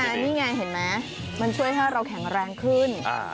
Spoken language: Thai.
นี่ไงเห็นไหมมันช่วยให้เราแข็งแรงขึ้น